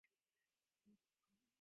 ނަންބަރު